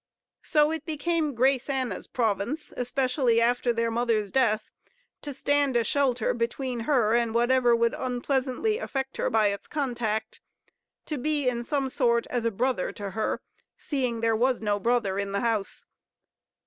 So it became Grace Anna's province, especially after their mother's death, to stand a shelter between her and whatever would unpleasantly affect her by its contact; to be in some sort as a brother to her, seeing there was no brother in the house.